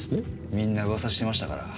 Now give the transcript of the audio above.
みんな噂してましたから。